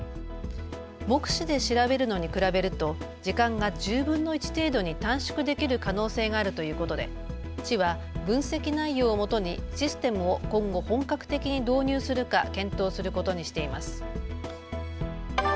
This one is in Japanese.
目視で調べるのに比べると時間が１０分の１程度に短縮できる可能性があるということで市は分析内容をもとにシステムを今後、本格的に導入するか検討することにしています。